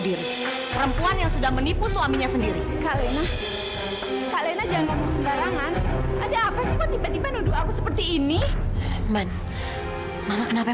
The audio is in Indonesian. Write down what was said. dia rela mengandung anaknya